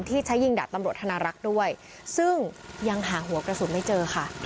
ที่ใช้ยิงดาบตำรวจธนรักษ์ด้วยซึ่งยังหาหัวกระสุนไม่เจอค่ะ